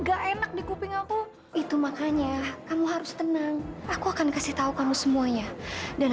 gak enak di kuping aku itu makanya kamu harus tenang aku akan kasih tahu kamu semuanya dan